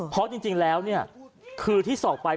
เพราะจริงแล้วเนี่ยคือที่สอบไป